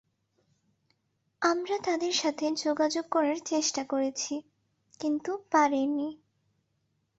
আমরা তাদের সাথে যোগাযোগ করার চেষ্টা করেছি, কিন্তু পারিনি।